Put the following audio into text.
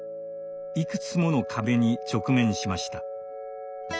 いくつもの壁に直面しました。